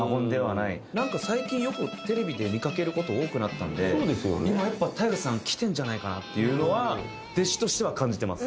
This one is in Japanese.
なんか最近よくテレビで見かける事多くなったので今やっぱＴＡＩＧＡさんきてるんじゃないかなっていうのは弟子としては感じてます。